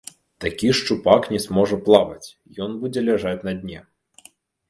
Такі шчупак не зможа плаваць, ён будзе ляжаць на дне!